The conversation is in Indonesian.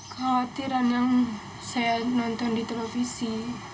kekhawatiran yang saya nonton di televisi